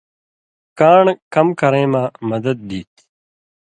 کان٘ڑ کم کرَیں مہ مدد دی تھی۔